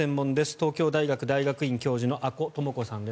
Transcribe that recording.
東京大学大学院教授の阿古智子さんです。